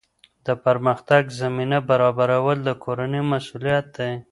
د پرمختګ زمینه برابرول د کورنۍ مسؤلیت دی.